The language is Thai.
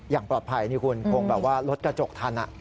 อย่างปลอดภัยนี่คุณคงแบบว่ารถกระจกทัน